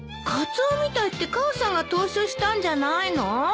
カツオみたいって母さんが投書したんじゃないの？